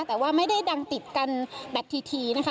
แต่ว่าไม่ได้ดังติดกันแบบทีนะคะ